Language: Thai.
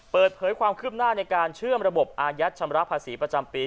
เปิดเผยความคืบหน้าในการเชื่อมระบบอายัดชำระภาษีประจำปี